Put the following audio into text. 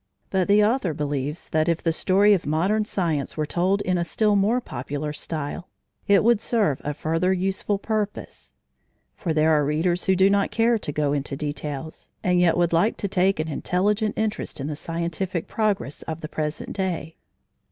But the author believes that if the story of modern science were told in a still more popular style, it would serve a further useful purpose. For there are readers who do not care to go into details, and yet would like to take an intelligent interest in the scientific progress of the present day.